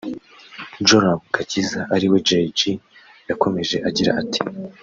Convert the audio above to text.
Joram Gakiza ari we Jay G yakomeje agira ati